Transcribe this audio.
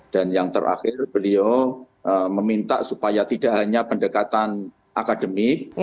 dan yang terakhir beliau meminta supaya tidak hanya pendekatan akademik